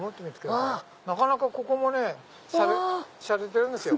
なかなかここもねしゃれてるんですよ。